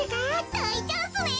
だいチャンスね。